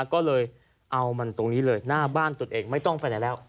ก็เลยเอามันตรงนี้เลยหน้าบ้านตัวเองไม่ต้องไปไหนแล้ว